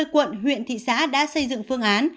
ba mươi quận huyện thị xã đã xây dựng phương án